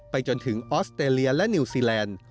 จนถึงออสเตรเลียและนิวซีแลนด์